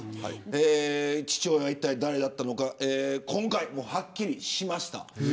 父親がいったい誰だったのか今回はっきりしました。